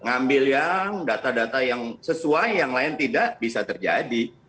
ngambil yang data data yang sesuai yang lain tidak bisa terjadi